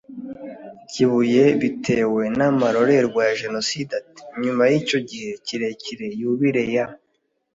kibuye bitewe n’amarorerwa ya jenoside. ati : nyuma y’icyo gihe kirekire yubile ya